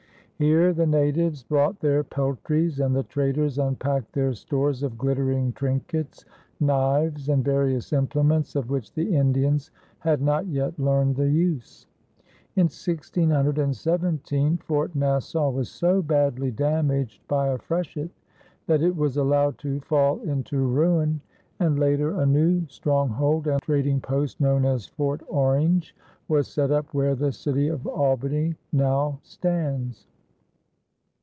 Here the natives brought their peltries and the traders unpacked their stores of glittering trinkets, knives, and various implements of which the Indians had not yet learned the use. In 1617 Fort Nassau was so badly damaged by a freshet that it was allowed to fall into ruin, and later a new stronghold and trading post known as Fort Orange was set up where the city of Albany now stands.